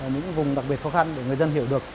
những vùng đặc biệt khó khăn để người dân hiểu được